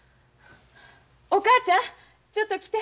お母ちゃんちょっと来て。